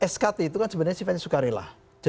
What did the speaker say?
skt itu kan sebenarnya sifatnya sukarela